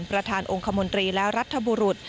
ประธานองค์คมนตรีและรัฐบุรุษ